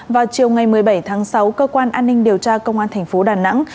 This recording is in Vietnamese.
vào chiều ngày một mươi bảy tháng sáu cơ quan an ninh điều tra công an thành phố đà nẵng